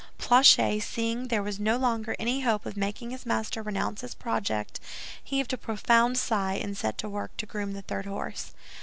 Planchet seeing there was no longer any hope of making his master renounce his project, heaved a profound sigh and set to work to groom the third horse.